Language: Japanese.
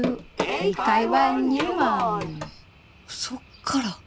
そっから？